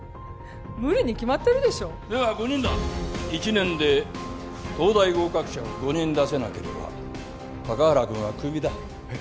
無理に決まってるでしょでは５人だ１年で東大合格者を５人出せなければ高原君はクビだえっ？